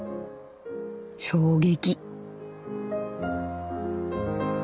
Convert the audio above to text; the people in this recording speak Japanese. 衝撃」。